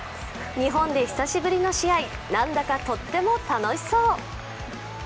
日本で久しぶりの試合なんだかとっても楽しそう。